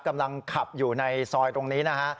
กำลังขับอยู่ในซอยตรงนี้นะฮะ